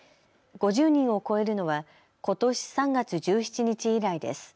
５０人を超えるのはことし３月１７日以来です。